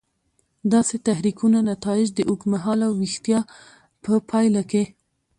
داسې تحریکونو نتایج د اوږد مهاله ویښتیا په پایله کې.